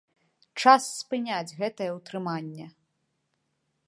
Час спыняць гэтае ўтрыманне!